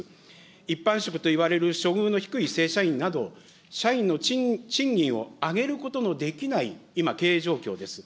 一般職といわれる処遇の低い正社員など、社員の賃金を上げることのできない、今、経営状況です。